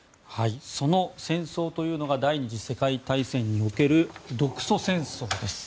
その戦争というのが第２次世界大戦における独ソ戦争です。